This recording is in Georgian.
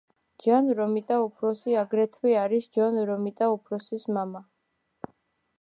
ჯონ რომიტა უფროსი აგრეთვე არის ჯონ რომიტა უმცროსის მამა.